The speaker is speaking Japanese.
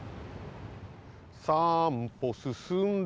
「三歩進んで」